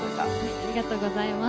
ありがとうございます。